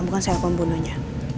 bukan saya pembunuhnya